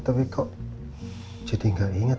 tapi kok jadi gak inget